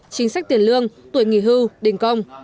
chính sách tiền lương tuổi nghỉ hưu đình công